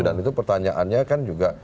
dan itu pertanyaannya kan juga